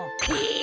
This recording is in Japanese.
え。